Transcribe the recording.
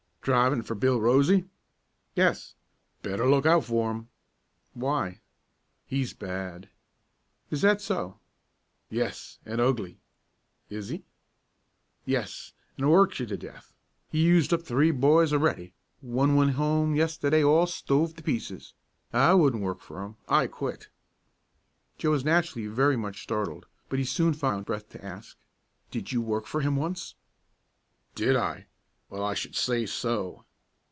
"Drivin' for Bill Rosey?" "Yes." "Better look out for 'im." "Why?" "He's bad." "Is that so?" "Yes, an' ugly." "Is he?" "Yes, an' works you to death. He's used up three boys a'ready; one went home yisterday all stove to pieces. I wouldn't work for 'im; I quit." Joe was naturally very much startled, but he soon found breath to ask, "Did you work for him once?" "Did I? Well, I should say so."